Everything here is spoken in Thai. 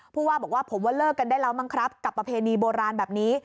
ผู้ว่าบอกว่าผมว่าเลิกกันได้แล้วมั้งครับกับประเพณีโบราณแบบนี้